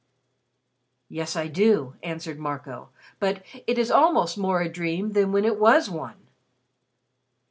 "Yes, I do," answered Marco, "but it is almost more a dream than when it was one."